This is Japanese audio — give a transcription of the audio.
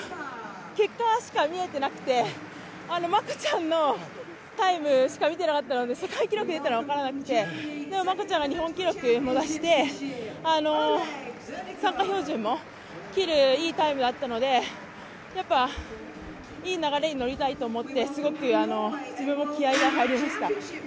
結果しか見えてなくて、真子ちゃんのタイムしか見てなかったので、世界記録出たのは分からなくて、真子ちゃんも日本記録を出して参加標準も切る、いいタイムだったので、いい流れに乗りたいと思ってすごく自分も気合いが入りました。